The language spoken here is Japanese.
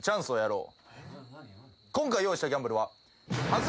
今回用意したギャンブルは。